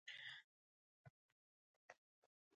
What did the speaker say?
نیورونونه د عصبي سیستم د جوړښت او دندې واحد ته ویل کېږي.